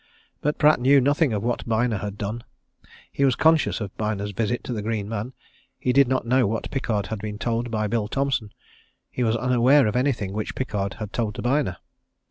But Pratt knew nothing of what Byner had done. He was conscious of Byner's visit to the Green Man. He did not know what Pickard had been told by Bill Thomson. He was unaware of anything which Pickard had told to Byner.